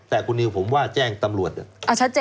แต่คุณนิวผมว่าแจ้งตำรวจ